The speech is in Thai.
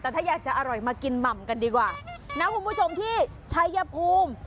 แต่ถ้าอยากจะอร่อยมากินหม่ำกันดีกว่านะคุณผู้ชมที่ชัยภูมิ